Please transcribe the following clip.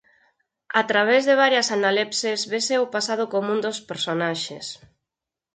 A través de varias analepses vese o pasado común dos personaxes.